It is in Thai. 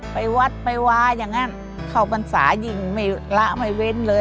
ไปวัดไปวาอย่างนั้นเข้าพรรษายิ่งไม่ละไม่เว้นเลย